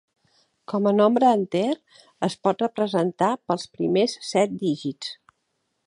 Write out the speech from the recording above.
Com a nombre enter, es pot representar pels primers set dígits.